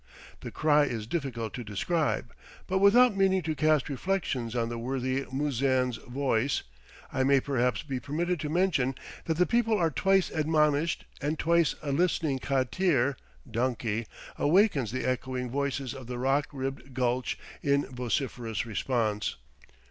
The cry is difficult to describe; but without meaning to cast reflections on the worthy muezzin's voice, I may perhaps be permitted to mention that the people are twice admonished, and twice a listening katir (donkey) awakens the echoing voices of the rock ribbed gulch in vociferous response.